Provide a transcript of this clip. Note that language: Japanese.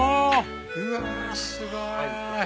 うわっすごい！